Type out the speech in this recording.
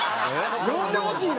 呼んでほしいの？